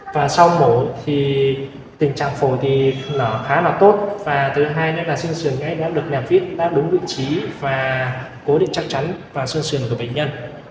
và sau mổ thì tình trạng phổi thì khá là tốt và thứ hai là sân sườn gây di lệch được nèm viết đáp đúng vị trí và cố định chắc chắn và sân sườn của bệnh nhân